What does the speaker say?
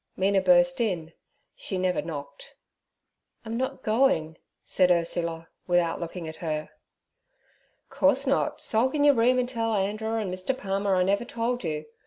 Mina burst in—she never knocked. 'I'm not going' said Ursula, without looking at her. 'Course not,—sulk in your room an' tell Andrer and Mr. Palmer I never told you.